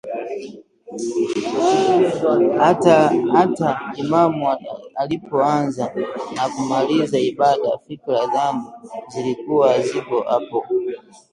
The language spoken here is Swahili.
Hata imamu alipoanza na kumaliza ibada, fikra zangu zilikuwa haziko hapo